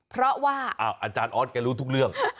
เพราะว่าอาจารย์ออสแกรู้ทุกเรื่อง